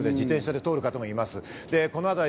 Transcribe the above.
自転車で通る方もいます。